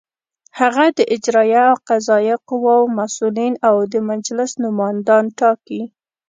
هغه د اجرائیه او قضائیه قواوو مسؤلین او د مجلس نوماندان ټاکي.